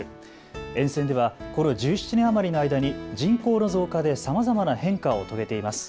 沿線ではこの１７年余りの間に人口の増加でさまざまな変化を遂げています。